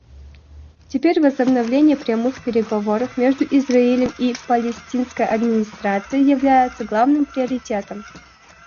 Теперь возобновление прямых переговоров между Израилем и Палестинской администрацией является главным приоритетом.